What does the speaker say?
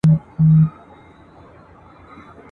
چا د خپل بلال ږغ نه دی اورېدلی ..